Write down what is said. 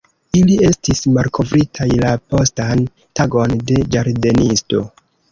Ili estis malkovritaj la postan tagon de ĝardenisto.